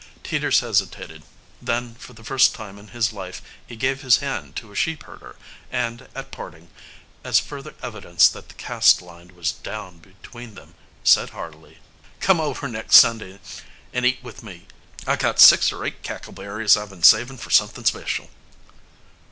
Teeters hesitated; then, for the first time in his life he gave his hand to a sheepherder, and, at parting, as further evidence that the caste line was down between them, said heartily: "Come over next Sunday and eat with me; I got six or eight cackle berries I been savin' fur somethin' special."